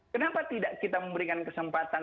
kenapa tidak kita memberikan kesempatan